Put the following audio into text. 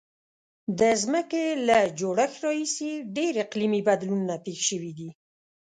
د ځمکې له جوړښت راهیسې ډیر اقلیمي بدلونونه پیښ شوي دي.